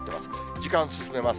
時間進めます。